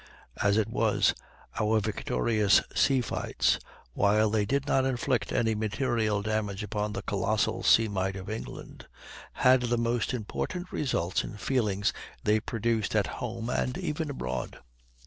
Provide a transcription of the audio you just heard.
As it was, our victorious seafights, while they did not inflict any material damage upon the colossal sea might of England, had the most important results in the feelings they produced at home and even abroad.